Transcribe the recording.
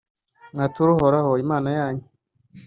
mwature Uhoraho, Imana yanyu!